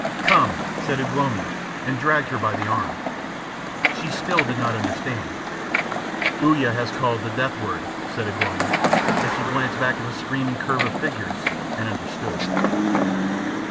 "Come!" said Ugh lomi, and dragged her by the arm. She still did not understand. "Uya has called the death word," said Ugh lomi, and she glanced back at the screaming curve of figures, and understood.